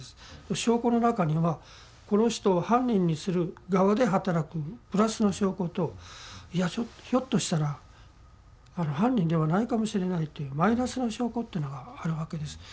証拠の中にはこの人を犯人にする側で働くプラスの証拠と「いやひょっとしたら犯人ではないかもしれない」というマイナスの証拠っていうのがあるわけです。